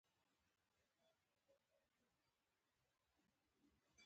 موټر مې لږ سروي غواړي.